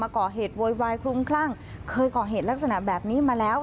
ก่อเหตุโวยวายคลุ้มคลั่งเคยก่อเหตุลักษณะแบบนี้มาแล้ว